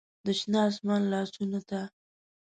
د شنه اسمان لاسو ته